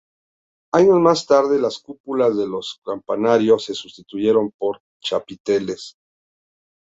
Años más tarde las cúpulas de los campanarios se sustituyeron por chapiteles.